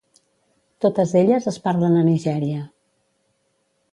Totes elles es parlen a Nigèria.